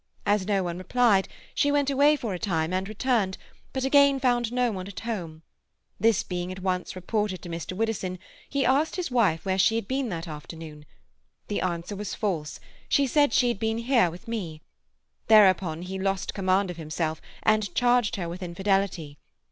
As no one replied, she went away for a time and returned, but again found no one at home. This being at once reported to Mr. Widdowson he asked his wife where she had been that afternoon. The answer was false; she said she had been here, with me. Thereupon he lost command of himself, and charged her with infidelity.